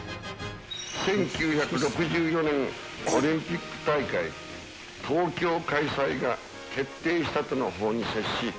１９６４年オリンピック大会、東京開催が決定したとの報に接し。